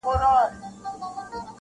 لوری مي نه پېژنم -